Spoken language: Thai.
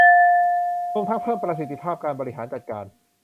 รวมทั้งเพิ่มประสิทธิภาพการบริหารจัดการ